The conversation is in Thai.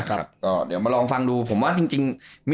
นะครับต่อเดี๋ยวมาลองฟังดูผมว่าจริงจริงโมย